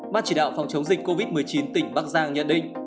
bác chỉ đạo phòng chống dịch covid một mươi chín tỉnh bác giang nhận định